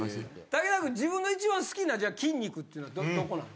武田君自分の一番好きな筋肉ってのはどこなん？